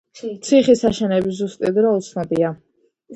ციხის აშენების ზუსტი დრო უცნობია.